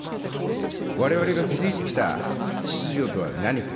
われわれが築いてきた秩序とは何か。